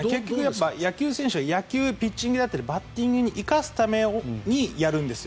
野球選手はピッチングだったりバッティングに生かすためにやるんですよ。